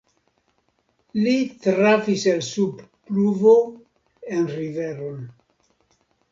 Li trafis el sub pluvo en riveron.